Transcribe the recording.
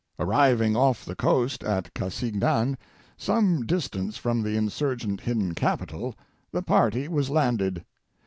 Arriving off the coast at Casignan, some distance from the Insurgent hidden capital, the party was landed.